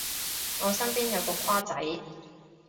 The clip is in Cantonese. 我身邊有個跨仔